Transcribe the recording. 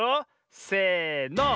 せの。